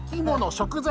食材。